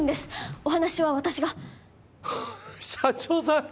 お話は私がハッ社長さん？